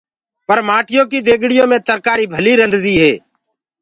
پر مآٽيو ڪي ديگڙيو مي ترڪآري ڀلي هوندي هي۔